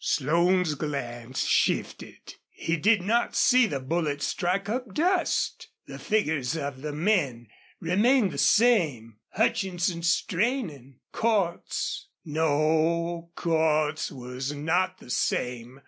Slone's glance shifted. He did not see the bullet strike up dust. The figures of the men remained the same Hutchinson straining, Cordts.... No, Cordts was not the same!